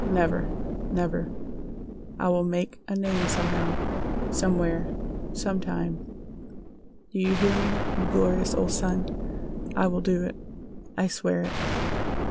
Never! Never! I will make a name somehow, somewhere, some time! Do you hear me, you glorious old sun? I will do it! I swear it!"